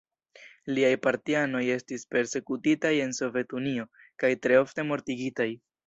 Liaj partianoj estis persekutitaj en Sovetunio, kaj tre ofte mortigitaj.